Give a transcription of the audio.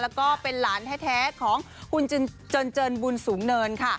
แล้วก็เป็นหลานแท้ของคุณจนบุญสูงเนินค่ะ